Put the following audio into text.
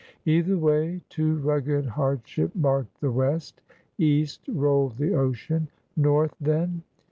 Either way, too rugged hard ship marked the west! East rolled the ocean. North, then?